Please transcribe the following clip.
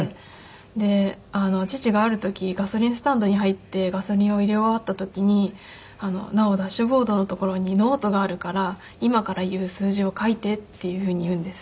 で父がある時ガソリンスタンドに入ってガソリンを入れ終わった時に「奈緒ダッシュボードの所にノートがあるから今から言う数字を書いて」っていうふうに言うんです。